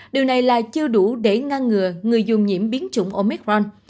điều này là chưa đủ để ngăn ngừa người dùng nhiễm biến chủng omicron